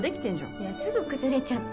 いやすぐ崩れちゃって。